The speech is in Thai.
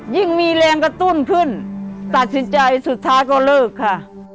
ยิ่งมีแรงกระตุ้นขึ้นตัดสินใจสุดท้ายก็เลิกค่ะ